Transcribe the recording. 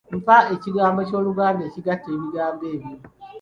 Mpa ekigambo ky'Oluganda ekigatta ebigambo ebyo.